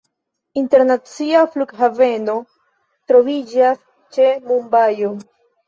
Internacia flughaveno troviĝas ĉe Mumbajo.